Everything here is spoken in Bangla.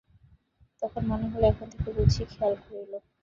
তখন মনে হল, এখন থেকে বুঝি তবে খোলাই রইল।